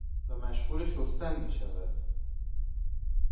و مشغول شستن میشود